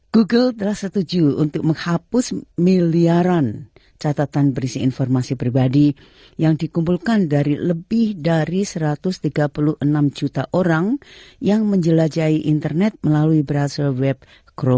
google telah setuju untuk menghapus miliaran catatan berisi informasi pribadi yang dikumpulkan dari lebih dari satu ratus tiga puluh enam juta orang yang menjelajahi internet melalui browser web chromia